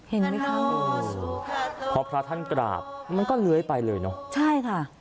เห็นไหมคะพอพระท่านกราบมันก็เลื้อยไปเลยเนอะใช่ค่ะ